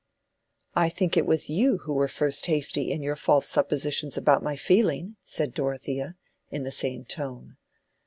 "I think it was you who were first hasty in your false suppositions about my feeling," said Dorothea, in the same tone.